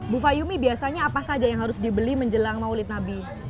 bu fayumi biasanya apa saja yang harus dibeli menjelang maulid nabi